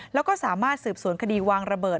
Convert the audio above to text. แล้วก็สามารถสืบสวนคดีวางระเบิด